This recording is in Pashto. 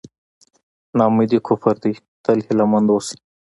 نا اميدي کفر دی تل هیله مند اوسئ.